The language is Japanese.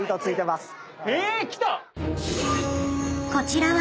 ［こちらは］